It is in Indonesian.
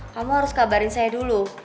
kamu harus kabarin saya dulu